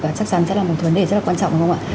và chắc chắn sẽ là một vấn đề rất là quan trọng